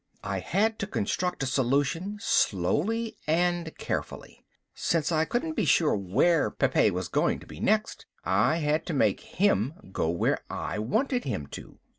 I had to construct a solution, slowly and carefully. Since I couldn't be sure where Pepe was going to be next, I had to make him go where I wanted him to.